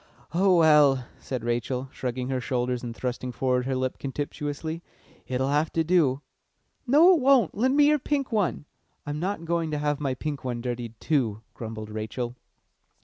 "Oh well," said Rachel, shrugging her shoulders and thrusting forward her lip contemptuously, "it'll have to do." "No, it won't lend me your pink one." "I'm not going to have my pink one dirtied, too," grumbled Rachel.